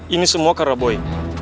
ini semua karena boy